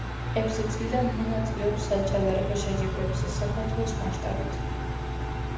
ექვსი წლიდან მონაწილეობს საჭადრაკო შეჯიბრებებზე საქართველოს მასშტაბით.